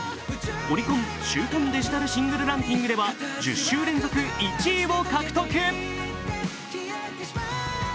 オリコン週間デジタルシングルランキングでは１０週連続１位を獲得。